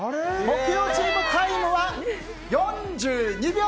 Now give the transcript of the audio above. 木曜チーム、タイムは４２秒！